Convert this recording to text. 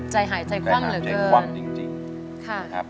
ใจหายใจคว่ำเหลือเกิน